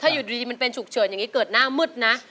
อยู่ดีมันเป็นฉุกเฉินอย่างนี้เกิดหน้ามืดนะ